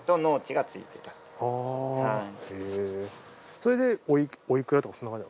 それでおいくらとか。